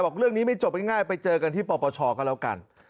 เรื่องนี้ไม่จบง่ายไปเจอกันที่ปปชก็แล้วกัน